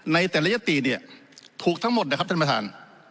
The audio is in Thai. ในแต่ละยติเนี่ยถูกทั้งหมดนะครับท่านประธาน